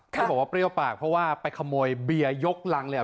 เขาบอกว่าเปรี้ยวปากเพราะว่าไปขโมยเบียร์ยกรังเลย